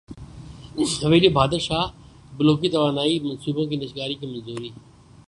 حویلی بہادر شاہ بلوکی توانائی منصوبوں کی نجکاری کی منظوری